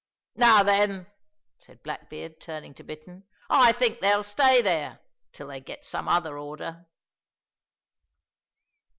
"Now then," said Blackbeard, turning to Bittern, "I think they'll stay there till they get some other order."